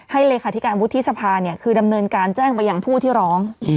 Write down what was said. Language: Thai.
เลขาธิการวุฒิสภาคือดำเนินการแจ้งไปยังผู้ที่ร้อง